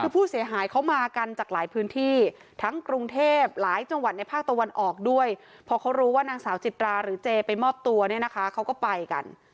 คือผู้เสียหายเขามากันจากหลายพื้นที่ทั้งกรุงเทพหลายจังหวัดในภาคตะวันออกด้วยพอเขารู้ว่านางสาวจิตราหรือเจไปมอบตัวเนี่ยนะคะเขาก็ไปกัน